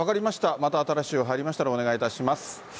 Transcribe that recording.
また新しい情報が入りましたら、お願いします。